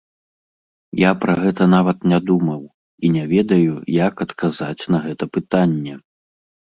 Я пра гэта нават не думаў і не ведаю, як адказаць на гэта пытанне.